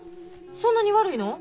そんなに悪いの？